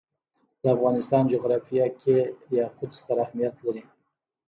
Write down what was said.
د افغانستان جغرافیه کې یاقوت ستر اهمیت لري.